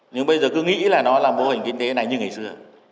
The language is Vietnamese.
nhưng bây giờ cứ nghĩ là nó là mô hình kinh tế này như ngày xưa